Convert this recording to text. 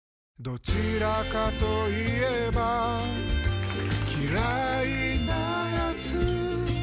どちらかと言えば嫌いなやつ